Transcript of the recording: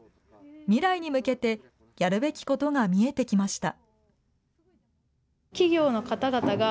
未来に向けて、やるべきことが見えてきました。